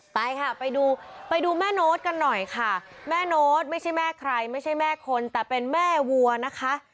ไปค่ะไปดูไปดูแม่โน้ตกันหน่อยค่ะแม่โน้ตไม่ใช่แม่ใครไม่ใช่แม่คนแต่เป็นแม่วัวนะคะ